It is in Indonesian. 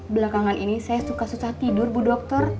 belakangan ini saya suka susah susah tidur bu dokter